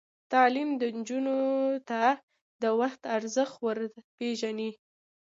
تعلیم نجونو ته د وخت ارزښت ور پېژني.